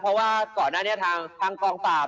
เพราะว่าก่อนหน้านี้ทางกองปราบ